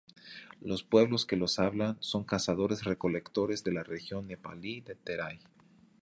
Los pueblos que los hablan son cazadores-recolectores de la región nepalí de Terai.